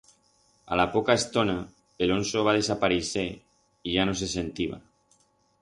A la poca estona, el onso va desapareixer y ya no se sentiba.